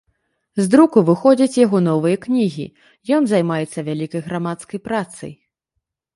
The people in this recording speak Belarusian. З друку выходзяць яго новыя кнігі, ён займаецца вялікай грамадскай працай.